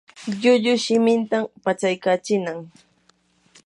lllullu shimintan pashtaykachinnam.